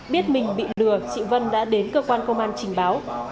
biết mình bị lừa chị vân đã đến cơ quan công an trình báo